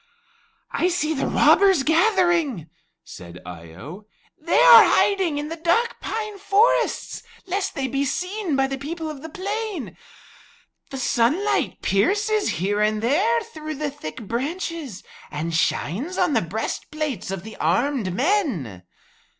'" "I see the robbers gathering," said Eye o. "They are hiding in the dark pine forests, lest they be seen by the people of the plain. The sunlight pierces here and there through the thick branches and shines on the breastplates of the armed men."